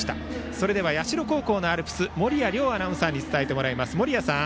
それでは社高校のアルプス守屋瞭アナに伝えてもらいます。